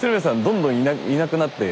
どんどんいなくなって。